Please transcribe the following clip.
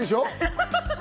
ハハハハ！